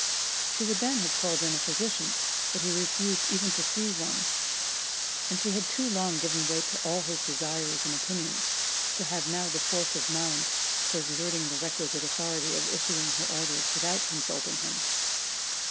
She would then have called in a physician, but he refused even to see one; and she had too long given way to all his desires and opinions, to have now the force of mind for exerting the requisite authority of issuing her orders without consulting him.